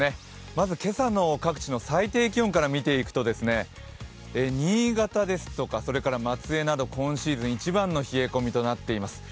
まず今朝の各地の最低気温から見ていくと新潟ですとか松江など今シーズン一番の冷え込みとなっています。